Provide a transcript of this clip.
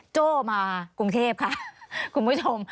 โจ้มากรุงเทพค่ะคุณผู้ชม